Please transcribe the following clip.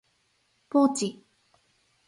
ポーチ、